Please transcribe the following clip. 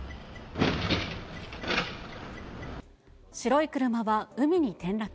白い車は海に転落。